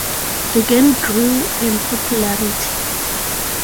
The game grew in popularity.